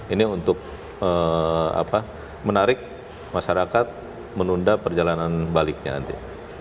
ini untuk menarik masyarakat menunda perjalanan baliknya nanti